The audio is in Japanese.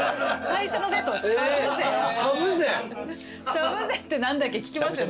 しゃぶ禅って何だっけ聞きますよね？